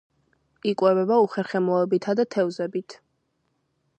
იკვებება უხერხემლოებითა და თევზებით.